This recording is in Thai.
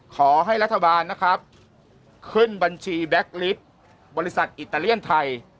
ขอให้รัฐบาลนะครับขึ้นบัญชีแบ็คลิสต์บริษัทอิตาเลียนไทย